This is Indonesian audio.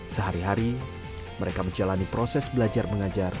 sehari hari mereka menjalani proses belajar mengajar